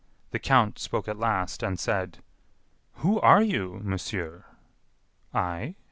The count spoke at last, and said: "Who are you, monsieur?" "I?